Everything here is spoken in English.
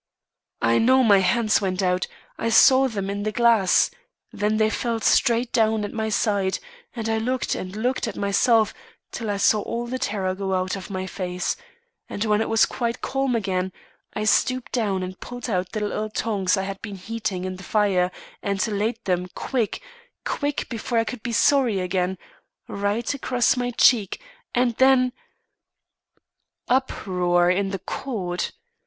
I know my hands went out I saw them in the glass; then they fell straight down at my side, and I looked and looked at myself till I saw all the terror go out of my face, and when it was quite calm again, I stooped down and pulled out the little tongs I had been heating in the fire, and laid them quick quick, before I could be sorry again right across my cheek, and then " Uproar in the court.